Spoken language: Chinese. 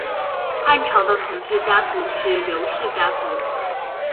汉朝的统治家族是刘氏家族。